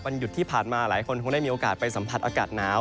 หยุดที่ผ่านมาหลายคนคงได้มีโอกาสไปสัมผัสอากาศหนาว